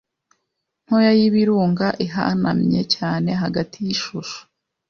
ntoya y'ibirunga ihanamye cyane hagati y'ishusho